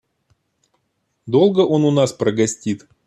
Долго он у нас прогостит?